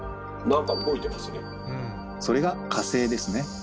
それが火星ですね。